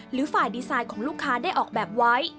หรือฝ่ายดีไซน์ของลูกค้าได้ออกแบบไว้